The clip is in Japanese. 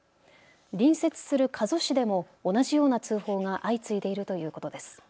隣接する加須市でも同じような通報が相次いでいるということです。